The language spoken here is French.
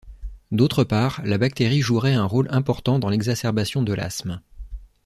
D'autre part, la bactérie jouerait un rôle important dans l'exacerbation de l'asthme.